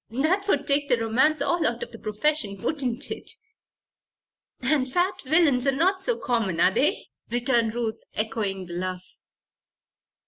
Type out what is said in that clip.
That would take the romance all out of the profession; wouldn't it?" "And fat villains are not so common; are they?" returned Ruth, echoing the laugh.